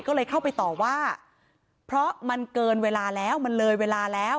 ก็เลยเข้าไปต่อว่าเพราะมันเกินเวลาแล้วมันเลยเวลาแล้ว